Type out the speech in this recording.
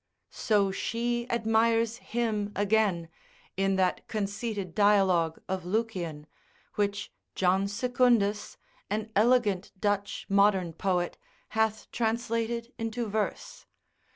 So she admires him again, in that conceited dialogue of Lucian, which John Secundus, an elegant Dutch modern poet, hath translated into verse.